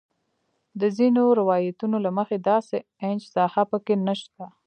د ځینو روایتونو له مخې داسې انچ ساحه په کې نه شته.